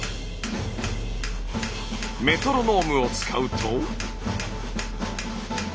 メトロノームを使うと。